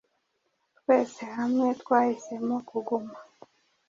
Twese hamwe twahisemo kuguma,